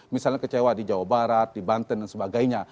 misalnya kecewa di jawa barat di banten dan sebagainya